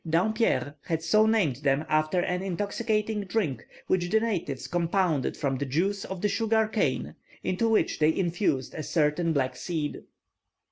Dampier had so named them after an intoxicating drink, which the natives compounded from the juice of the sugar cane, into which they infused a certain black seed.